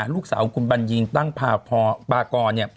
ลูกสาวของคุณบรรยินตั้งภาคร